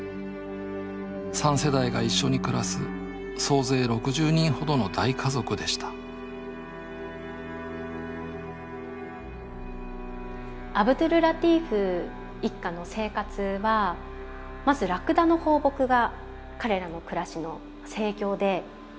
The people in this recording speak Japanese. ３世代が一緒に暮らす総勢６０人ほどの大家族でしたアブドュルラティーフ一家の生活はまずラクダの放牧が彼らの暮らしの生業で。